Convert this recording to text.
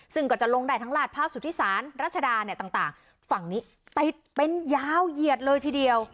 ซึ่งก็จะลงได้ทั้งราชภาพสุทธิศาสตร์รัชดาเนี่ยต่างต่างฝั่งนี้เป็นยาวเหยียดเลยทีเดียว